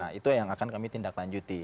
nah itu yang akan kami tindak lanjuti